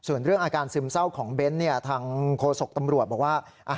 ส่วนเรื่องอาการซึมเศร้าของเบ้นทางโฆษกตำรวจบอกว่า